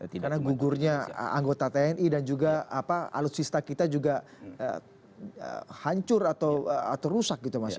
karena gugurnya anggota tni dan juga alutsista kita juga hancur atau rusak gitu mas ya